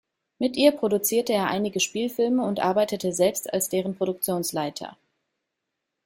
Mit ihr produzierte er einige Spielfilme und arbeitete selbst als deren Produktionsleiter.